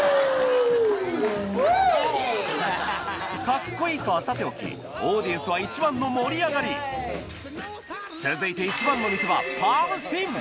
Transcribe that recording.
カッコいいかはさておきオーディエンスは一番の盛り上がり続いて一番の見せ場パームスピン